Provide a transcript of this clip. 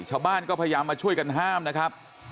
ชาวบ้านก็พยายามมาช่วยกันห้ามนะครับ